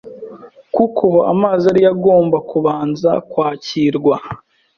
kuko amazi ari yo agomba kubanza kwakirwa.